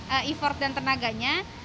effort dan tenaganya